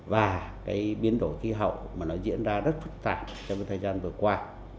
và cái biến đổi khí hậu mà nó diễn ra rất phức tạp trong cái thời gian vừa qua